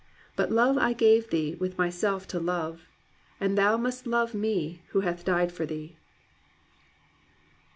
But love I gave thee, with myself to love, And thou must love me who have died for thee